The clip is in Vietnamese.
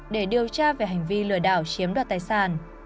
để điều tra về hành vi lừa đảo chiếm đoạt tài sản